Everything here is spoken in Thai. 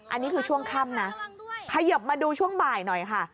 อันนี้คือช่วงค่ำนะขยบมาดูช่วงบ่ายหน่อยค่ะ